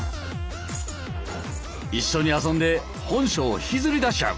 一緒に遊んで本性を引きずり出しちゃう。